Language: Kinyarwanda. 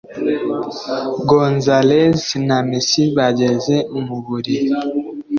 Gonzalez na Messi bageze mu buriri